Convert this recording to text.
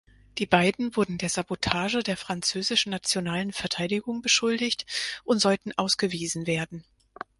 Die beiden wurden der Sabotage der französischen nationalen Verteidigung beschuldigt und sollten ausgewiesen werden.